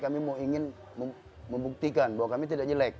kami ingin membuktikan bahwa kami tidak jelek